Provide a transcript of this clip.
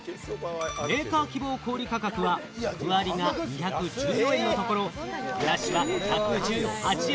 メーカー希望小売価格は、具ありが２１４円のところ、具なしは１１８円。